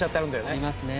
ありますね。